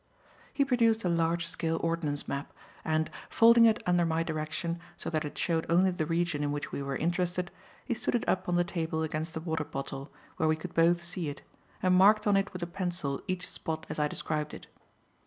He produced a large scale ordnance map, and, folding it under my direction, so that it showed only the region in which we were interested, he stood it up on the table against the water bottle, where we could both see it, and marked on it with a pencil each spot as I described it.